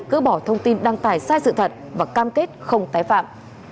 gỡ bỏ thông tin đăng tải sai sự thật và cam kết không tái phạm